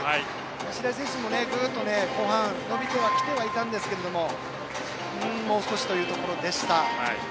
白井選手も後半伸びてはきてはいましたがもう少しというところでした。